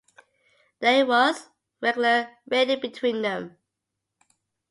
There was regular raiding between them.